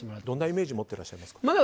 どんなイメージ持ってらっしゃいますか？